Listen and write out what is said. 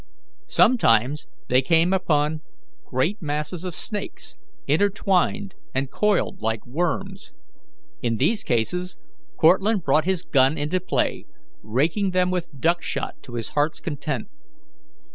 Sometimes they came upon great masses of snakes, intertwined and coiled like worms; in these cases Cortlandt brought his gun into play, raking them with duck shot to his heart's content.